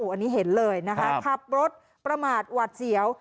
อันนี้เห็นเลยนะคะขับรถประมาทหวัดเสียว